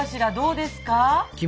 どうですか？